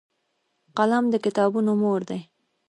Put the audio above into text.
قلم د کتابونو مور دی